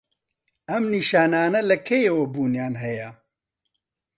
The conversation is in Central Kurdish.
ئەم نیشانانه لە کەیەوە بوونیان هەیە؟